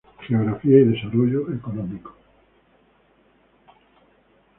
Geografía y desarrollo económico.